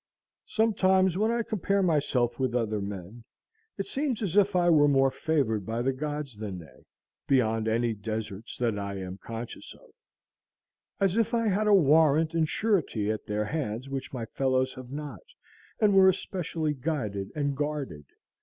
Sometimes, when I compare myself with other men, it seems as if I were more favored by the gods than they, beyond any deserts that I am conscious of; as if I had a warrant and surety at their hands which my fellows have not, and were especially guided and guarded.